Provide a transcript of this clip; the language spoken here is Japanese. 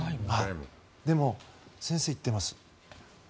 でも先生、言ってます。